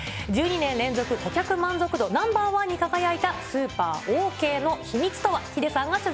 １２年連続顧客満足度ナンバー１に輝いたスーパー、オーケーの秘密とは。